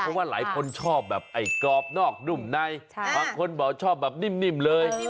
เพราะว่าหลายคนชอบแบบไอ้กรอบนอกนุ่มในบางคนบอกชอบแบบนิ่มเลย